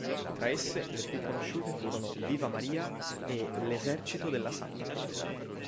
Tra esse, le più conosciute furono Viva Maria e l'Esercito della Santa Fede.